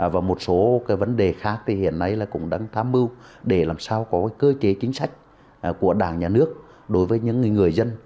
và một số vấn đề khác thì hiện nay cũng đang tham mưu để làm sao có cơ chế chính sách của đảng nhà nước đối với những người dân